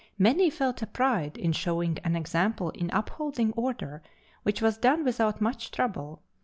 Many felt a pride in showing an example in upholding order, which was done without much trouble.